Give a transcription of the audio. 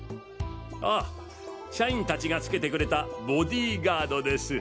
ああ社員達がつけてくれたボディーガードです。